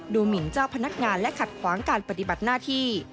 หมินเจ้าพนักงานและขัดขวางการปฏิบัติหน้าที่